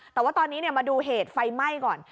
แต่ว่าตอนนี้มาดูเหตุไฟไหม้ก่อน